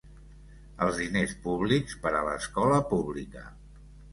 Els diners públics per a l'escola pública.